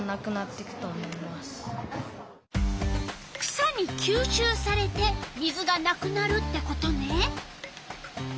草にきゅうしゅうされて水がなくなるってことね。